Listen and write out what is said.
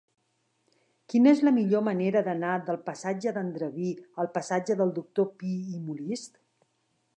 Quina és la millor manera d'anar del passatge d'Andreví al passatge del Doctor Pi i Molist?